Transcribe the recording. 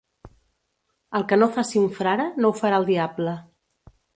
El que no faci un frare, no ho farà el diable.